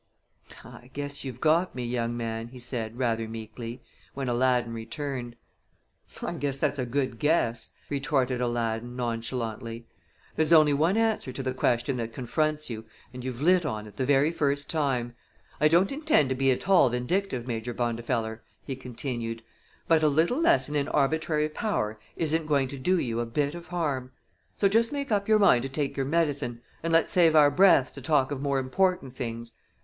"I guess you've got me, young man," he said, rather meekly, when Aladdin returned. "I guess that's a good guess," retorted Aladdin, nonchalantly. "There's only one answer to the question that confronts you, and you've lit on it the very first time. I don't intend to be at all vindictive, Major Bondifeller," he continued, "but a little lesson in arbitrary power isn't going to do you a bit of harm; so just make up your mind to take your medicine, and let's save our breath to talk of more important things.